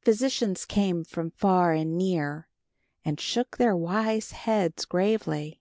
Physicians came from far and near, and shook their wise heads gravely.